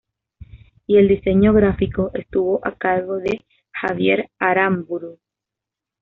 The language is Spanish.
Y el diseño gráfico estuvo a cargo de Javier Aramburu.